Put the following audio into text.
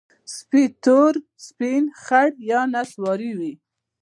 سپي تور، سپین، خړ یا نسواري وي.